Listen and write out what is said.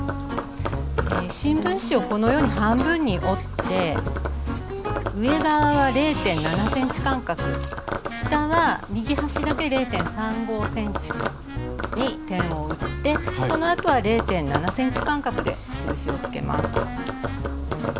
新聞紙をこのように半分に折って上側は０．７ｃｍ間隔下は右端だけ０．３５ｃｍに点を打ってそのあとは０．７ｃｍ間隔で印をつけます。